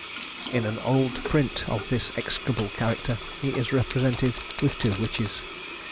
In an old print of this execrable character, he is represented with two witches.